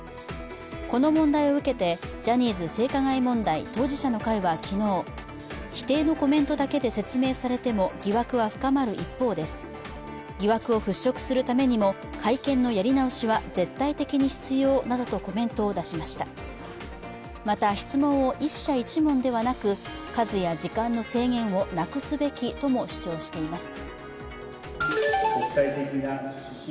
この問題を受けてジャニーズ性加害問題当事者の会は昨日、否定のコメントだけで説明されても疑惑は深まる一方です、疑惑をふっしょくするためにも、会見のやり直しは絶対的に必要などとコメントを出しましたまた、質問を１社１問ではなく、数や時間の制限をなくすべきとも主張しています。